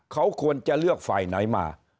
เขาควรจะเลือกฝ่ายไหนมา